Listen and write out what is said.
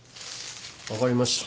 分かりました。